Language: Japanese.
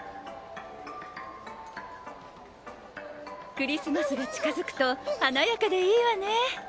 クリスマスが近づくと華やかでいいわね。